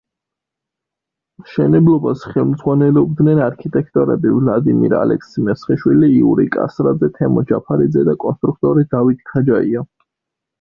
მშენებლობას ხელმძღვანელობდნენ არქიტექტორები ვლადიმერ ალექსი-მესხიშვილი, იური კასრაძე, თემო ჯაფარიძე და კონსტრუქტორი დავით ქაჯაია.